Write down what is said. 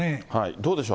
どうでしょう？